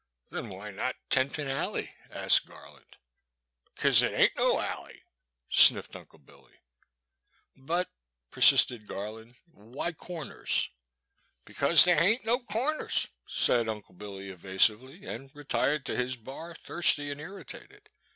*' Then why not Ten Pin Alley ?" asked Gar land. '' Cuz it ain't no alley," sniffed Uncle Billy. But, '' persisted Garland, *' why Comers ?'' Becuz there haint no comers,*' said Unde Billy evasively, and retired to his bar, thirsty and irritated.